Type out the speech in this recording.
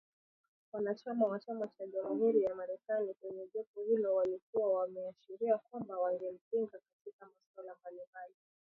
Wanachama wa chama cha Jamuhuri ya Marekani, kwenye jopo hilo walikuwa wameashiria kwamba wangempinga katika masuala mbalimbali